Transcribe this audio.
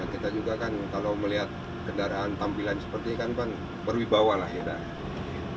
kita juga kan kalau melihat kendaraan tampilan seperti ini kan berwibawa lah ya